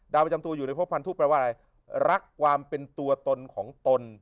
ประจำตัวอยู่ในพบพันธุแปลว่าอะไรรักความเป็นตัวตนของตน